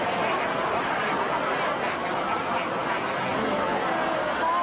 เรียกตรงเบลเบลอย่างไหนบ้างเพราะว่าเหมือนกับก่อนที่ที่มีการดูกันขายดัง